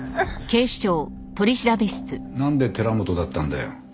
なんで寺本だったんだよ？